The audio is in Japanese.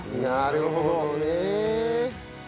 なるほどね。